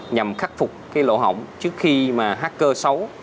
nhằm khắc phục cái lỗ hỏng trước khi mà hacker xấu